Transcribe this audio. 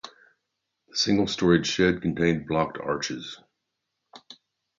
The single-storey sheds contain blocked arches.